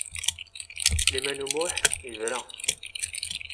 Sliman U Muḥ yebra.